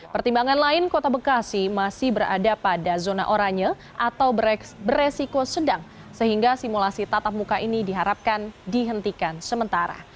pertimbangan lain kota bekasi masih berada pada zona oranye atau beresiko sedang sehingga simulasi tatap muka ini diharapkan dihentikan sementara